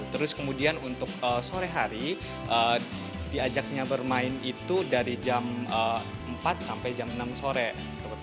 terus kemudian untuk sore hari diajaknya bermain itu dari jam empat sampai jam enam sore